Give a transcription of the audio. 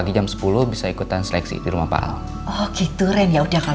gak boleh sampai terluka